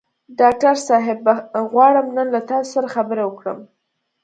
ډاکټر صاحب غواړم نن له تاسو سره خبرې وکړم.